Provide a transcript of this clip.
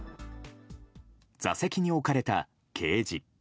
座席に置かれたケージ。